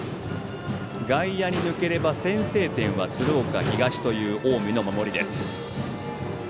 外野に抜ければ先制点は鶴岡東という近江の守り。